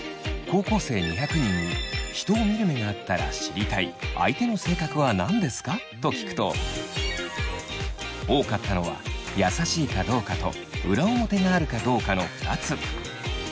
高校生２００人に人を見る目があったら知りたい相手の性格は何ですか？と聞くと多かったのは優しいかどうかと裏表があるかどうかの２つ。